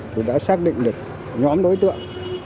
thì đã xác định được nhóm đối tượng